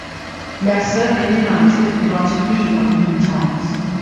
Mesa and United could not agree on new terms.